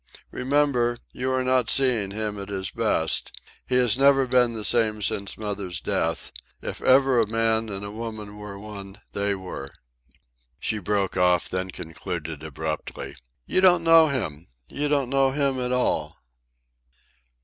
"Remember, you are not seeing him at his best. He has never been the same since mother's death. If ever a man and woman were one, they were." She broke off, then concluded abruptly. "You don't know him. You don't know him at all."